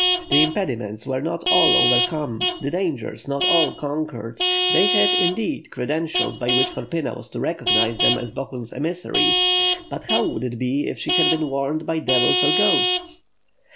The impediments were not all overcome, the dangers not all conquered. They had indeed credentials by which Horpyna was to recognize them as Bohun's emissaries; but how would it be if she had been warned by devils or ghosts.